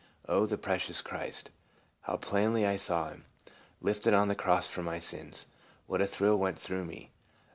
Oh, the precious Christ ! How plainly I saw him, lifted on the cross for my sins ! What a thrill went through me.